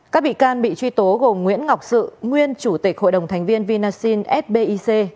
các bị can bị truy tố gồm nguyễn ngọc sự nguyên chủ tịch hội đồng thành viên vinasin sbic